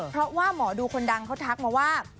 เพราะว่าหมอดูคนดังเขาทักมาว่า